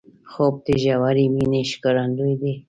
خوب د ژورې مینې ښکارندوی دی